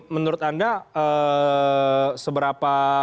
menurut anda seberapa